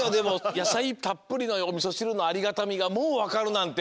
やさいたっぷりのおみそしるのありがたみがもうわかるなんて。